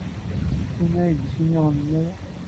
D kemm ay d-yessunɣen aya?